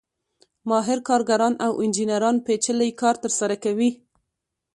ماهر کارګران او انجینران پېچلی کار ترسره کوي